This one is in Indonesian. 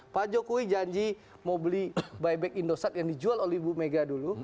pak jokowi janji mau beli buyback indosat yang dijual oleh ibu mega dulu